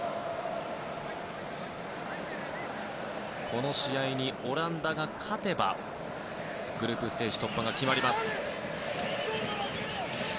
この試合にオランダが勝てばグループステージ突破が決まります。